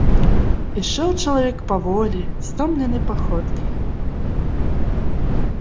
Ішоў чалавек паволі, стомленай паходкай.